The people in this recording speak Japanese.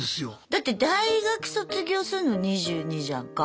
だって大学卒業すんの２２じゃんか。